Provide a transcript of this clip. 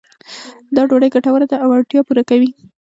دا ډوډۍ ګټوره ده او اړتیا پوره کوي.